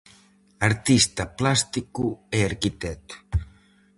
Artista plástico e arquitecto.